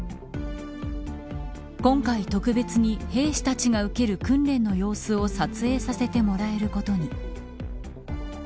今回、特別に兵士たちが受ける訓練の様子を撮影させてもらえることに。